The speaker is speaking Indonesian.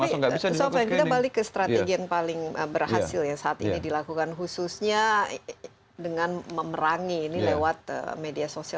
masuk balik ke strategi yang paling berhasil yang saat ini dilakukan khususnya dengan memerangi ini